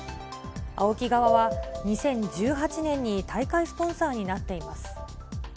ＡＯＫＩ側は、２０１８年に大会スポンサーになっています。